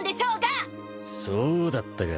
そうだったか？